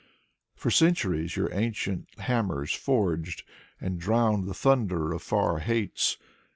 For centuries your ancient hammers forged And drowned the thunder of far hates.